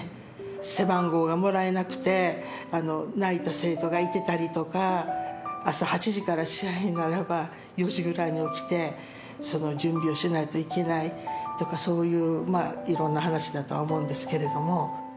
背番号がもらえなくて泣いた生徒がいてたりとか朝８時から試合ならば４時ぐらいに起きてその準備をしないといけないとかそういういろんな話だとは思うんですけれども。